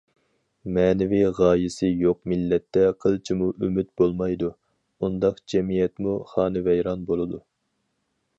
مەنىۋى غايىسى يوق مىللەتتە قىلچىمۇ ئۈمىد بولمايدۇ، ئۇنداق جەمئىيەتمۇ خانىۋەيران بولىدۇ.